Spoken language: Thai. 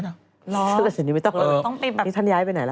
หรอต้องติดแบบนี่ท่านย้ายไปไหนล่ะ